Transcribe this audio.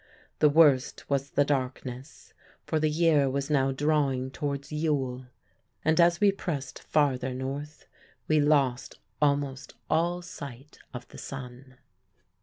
The worst was the darkness, for the year was now drawing towards Yule, and as we pressed farther north we lost almost all sight of the sun.